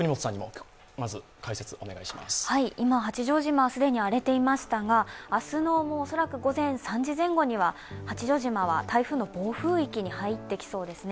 今八丈島は既に荒れていましたが、明日のおそらく午前３時前後には八丈島は台風の暴風域に入ってきそうですね。